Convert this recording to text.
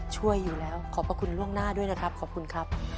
ช่วยอยู่แล้วขอบพระคุณล่วงหน้าด้วยนะครับขอบคุณครับ